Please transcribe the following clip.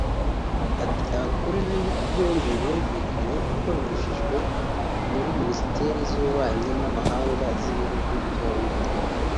Ati “Abakuru b’ibihugu byombi bumvikanye ko binyujijwe muri Minisiteri z’Ububanyi n’Amahanga z’ibihugu byombi